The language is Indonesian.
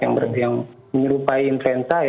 yang menyerupai influenza ya